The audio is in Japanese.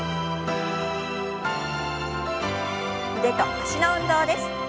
腕と脚の運動です。